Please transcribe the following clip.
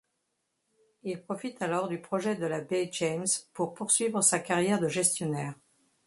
Il profite alors du Projet de la Baie-James pour poursuivre sa carrière de gestionnaire.